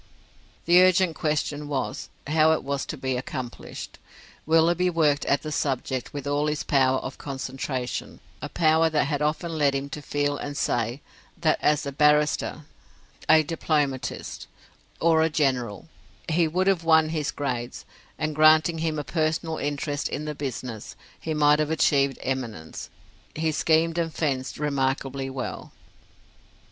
The urgent question was, how it was to be accomplished. Willoughby worked at the subject with all his power of concentration: a power that had often led him to feel and say, that as a barrister, a diplomatist, or a general, he would have won his grades: and granting him a personal interest in the business, he might have achieved eminence: he schemed and fenced remarkably well.